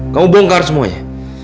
kamu bongkar semuanya